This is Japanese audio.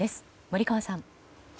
森川さん。